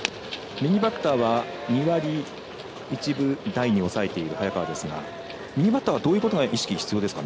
右バッターは２割１分台に抑えている早川ですが右バッターはどういうことに意識が必要ですか。